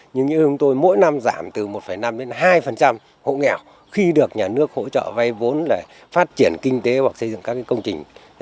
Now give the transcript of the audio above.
nhưng như chúng tôi mỗi năm giảm từ một năm đến hai hộ nghèo khi được nhà nước hỗ trợ vay vốn để phát triển kinh tế hoặc xây dựng các công trình